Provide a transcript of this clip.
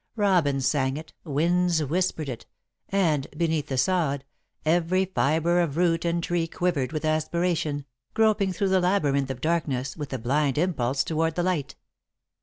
Robins sang it, winds whispered it, and, beneath the sod, every fibre of root and tree quivered with aspiration, groping through the labyrinth of darkness with a blind impulse toward the light.